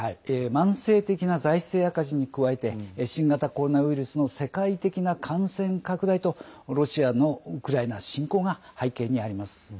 慢性的な財政赤字に加えて新型コロナウイルスの世界的な感染拡大とロシアのウクライナ侵攻が背景にあります。